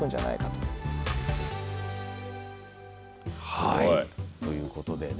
はい、ということでね。